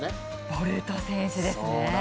ボルト選手ですね。